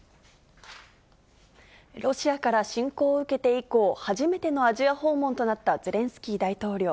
ロシアから侵攻を受けて以降、初めてのアジア訪問となったゼレンスキー大統領。